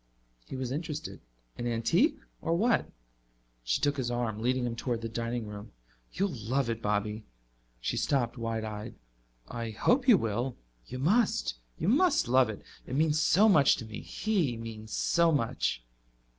He was interested. "An antique? Or what?" She took his arm, leading him toward the dining room. "You'll love it, Bobby." She stopped, wide eyed. "I hope you will. You must; you must love it. It means so much to me he means so much."